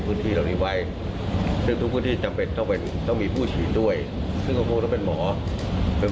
ก็เลยทำให้นายกก็ย้ำนะคะบอกว่าการระบาดในระรอกเมษาเนี่ย